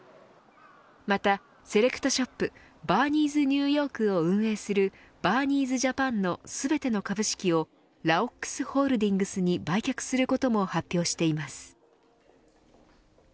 また、セレクトショップバーニーズニューヨークを運営するバーニーズジャパンの全ての株式をラオックスホールディングスに売却することも発表しています。